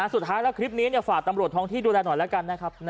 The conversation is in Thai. สุดท้ายแล้วคลิปนี้ฝากตำรวจท้องที่ดูแลหน่อยแล้วกันนะครับ